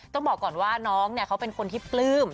ต้องบอกก่อนว่าน้องเขาเป็นคนที่ปลื้ม